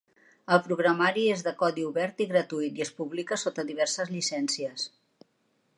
El programari és de codi obert i gratuït i es publica sota diverses llicències.